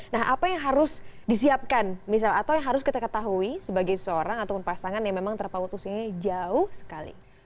nah apa yang harus disiapkan misal atau yang harus kita ketahui sebagai seseorang ataupun pasangan yang memang terpaut usianya jauh sekali